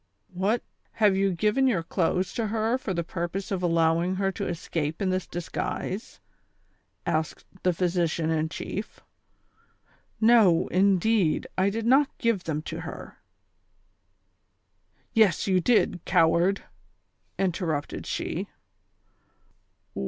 "What ! have you given your clothes to her for the pur pose of allowing her to escape in this disguise ?" asked the physician in chief. " Xo, indeed, I did not give them to her "— "Yes, you did, coward," interrupted she.